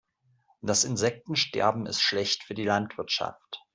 Das Insektensterben ist schlecht für die Landwirtschaft.